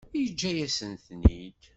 Yeǧǧa-yasent-ten-id.